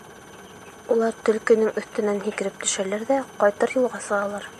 Улар төлкөнөң өҫтөнән һикереп төшәләр ҙә ҡайтыр юлға сығалар.